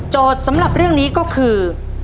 สำหรับเรื่องนี้ก็คือ